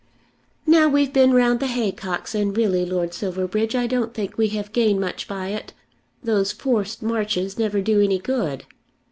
"Now we've been round the haycocks, and really, Lord Silverbridge, I don't think we have gained much by it. Those forced marches never do any good."